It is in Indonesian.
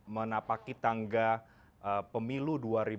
menapaki tangga pemilu dua ribu dua puluh